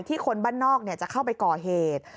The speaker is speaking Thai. คนบ้านนอกจะเข้าไปก่อเหตุ